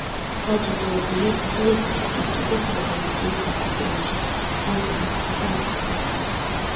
დაჯილდოებულია წითელი დროშის, ოქტომბრის რევოლუციის, „საპატიო ნიშნის“ ორდენებითა და მედლებით.